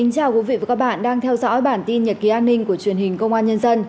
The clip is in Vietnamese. chào mừng quý vị đến với bản tin nhật ký an ninh của truyền hình công an nhân dân